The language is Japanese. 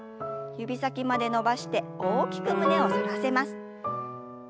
指先まで伸ばして大きく胸を反らせます。